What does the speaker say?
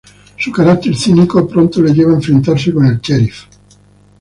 Su carácter cínico pronto le lleva a enfrentarse con el "sheriff".